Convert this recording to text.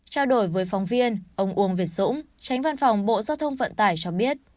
trao đổi với phóng viên ông uông việt dũng tránh văn phòng bộ giao thông vận tải cho biết